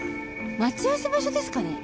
待ち合わせ場所ですかね？